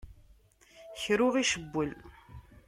Kra ur ɣ-icewwel.